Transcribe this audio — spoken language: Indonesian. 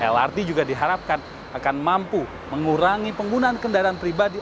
lrt juga diharapkan akan mampu mengurangi penggunaan kendaraan pribadi